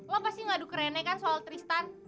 lo pasti ngadu kerene kan soal tristan